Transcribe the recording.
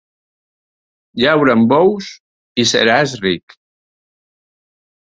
Llaura amb bous i seràs ric.